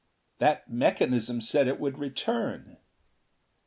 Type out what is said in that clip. "That mechanism said it would return!"